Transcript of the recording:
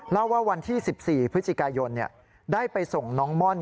เล่าว่าวันที่๑๔พฤศจิกายนได้ไปส่งน้องม่อน